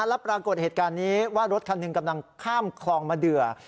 แล้วปรากฏเหตุการณ์นี้ว่ารถคันหนึ่งกำลังข้ามคลองมาเดือ